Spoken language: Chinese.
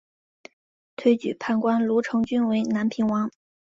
推举判官卢成均为南平王。